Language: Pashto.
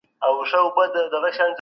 دوی باید د ټولني د بې وزلو غم وخوري.